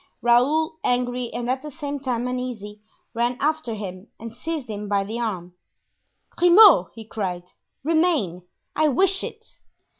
Raoul, angry and at the same time uneasy, ran after him and seized him by the arm. "Grimaud!" he cried; "remain; I wish it."